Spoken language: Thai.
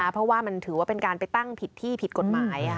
เพราะว่ามันถือว่าเป็นการไปตั้งผิดที่ผิดกฎหมาย